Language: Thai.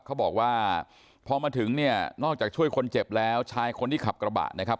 เขาบอกว่าพอมาถึงเนี่ยนอกจากช่วยคนเจ็บแล้วชายคนที่ขับกระบะนะครับ